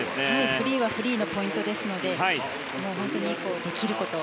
フリーはフリーのポイントですので本当に、できることを。